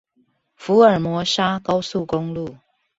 福爾摩沙高速公路